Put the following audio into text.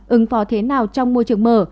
ứng phó thế nào trong môi trường mở